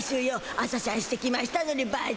朝シャンしてきましたのにばっちい。